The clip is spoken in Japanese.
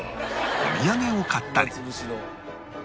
お土産を買ったり